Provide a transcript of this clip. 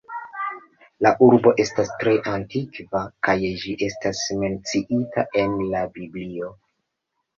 La urbo estas tre antikva, kaj ĝi estas menciita en la Biblio.